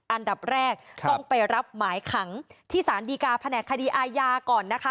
อันดับแรกต้องไปรับหมายขังที่สารดีกาแผนกคดีอาญาก่อนนะคะ